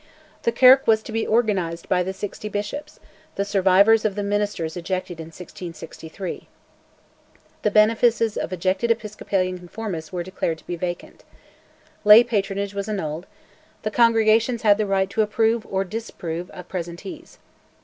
The Kirk was to be organised by the "Sixty Bishops," the survivors of the ministers ejected in 1663. The benefices of ejected Episcopalian conformists were declared to be vacant. Lay patronage was annulled: the congregations had the right to approve or disapprove of presentees.